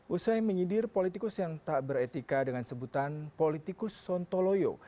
usai menyindir politikus yang tak beretika dengan sebutan politikus sontoloyo